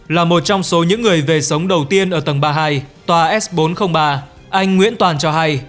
là một trong số những người về sống đầu tiên ở tầng ba mươi hai tòa s bốn trăm linh ba anh nguyễn toàn cho hay